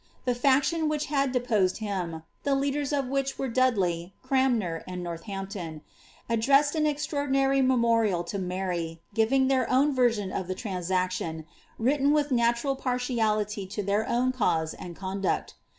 The faction which deposed him (tlie leaders of which were Dudley, Cranmcr, and ihampton) addressed an extraordinary memorial to Mary, giving ' own version of the transaction, written with natural partiality to ' own cause and conduct.